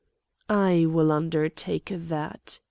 "I will undertake that!"